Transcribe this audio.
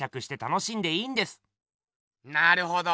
なるほど。